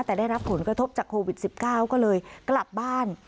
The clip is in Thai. แต่ได้รับผลกระทบจากโควิด๑๙ก็เลยกลับบ้าน